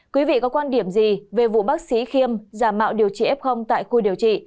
quý vị có quan điểm gì về vụ bác sĩ khiêm giả mạo điều trị f tại khu điều trị